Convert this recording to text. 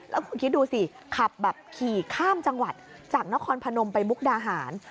แล้วคุณคิดดูสิขับแบบขี่ข้ามจังหวัดจากนครพนมไปมุกดาหาร